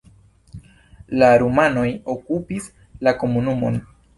La rumanoj okupis la komunumon.